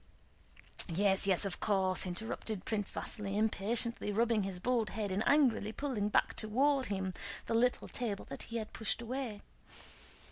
"Yes, yes, of course," interrupted Prince Vasíli impatiently, rubbing his bald head and angrily pulling back toward him the little table that he had pushed away.